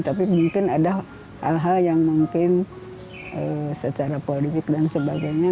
tapi mungkin ada hal hal yang mungkin secara politik dan sebagainya